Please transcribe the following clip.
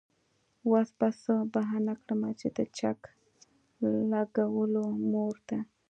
وس به څۀ بهانه کړمه د چک لګولو مور ته